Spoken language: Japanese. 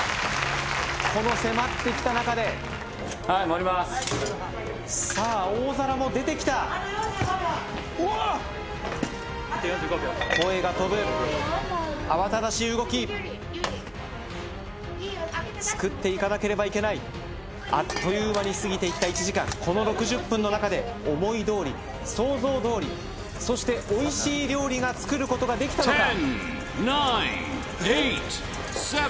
この迫ってきた中ではい盛りますさあ大皿も出てきたうわー声が飛ぶもうやだ慌ただしい動き作っていかなければいけないあっという間に過ぎていった１時間この６０分の中で思いどおり想像どおりそしておいしい料理が作ることができたのか？